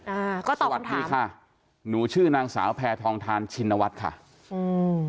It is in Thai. อ่าก็สวัสดีค่ะหนูชื่อนางสาวแพทองทานชินวัฒน์ค่ะอืม